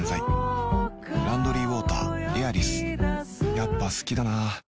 やっぱ好きだな